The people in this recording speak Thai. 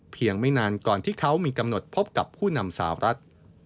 ไม่นานก่อนที่เขามีกำหนดพบกับผู้นำสาวรัฐ